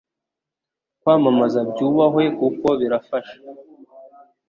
Kwamamaza byubahwe kuko birafasha